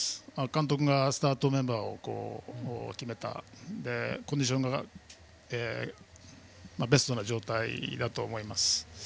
監督がスタートメンバーを決めてコンディションがベストな状態だと思います。